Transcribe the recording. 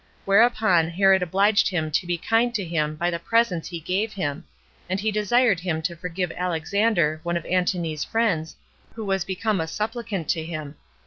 Whereupon Herod obliged him to be kind to him by the presents he gave him, and he desired him to forgive Alexander, one of Antony's friends, who was become a supplicant to him.